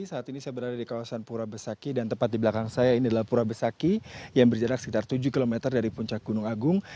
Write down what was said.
saat ini saya berada di kawasan pura besaki dan tepat di belakang saya ini adalah pura besaki yang berjarak sekitar tujuh km dari puncak gunung agung